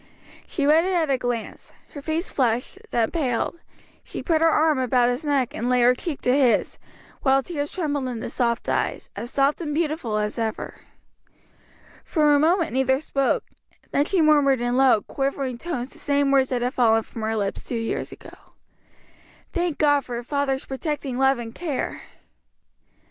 She read it at a glance; her face flushed, then paled; she put her arm about his neck, and laid her cheek to his, while tears trembled in the sweet eyes, as soft and beautiful as ever. For a moment neither spoke; then she murmured in low, quivering tones the same words that had fallen from her lips two years ago, "Thank God for a father's protecting love and care!"